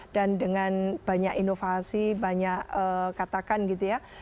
dengan banyak inovasi banyak katakan gitu ya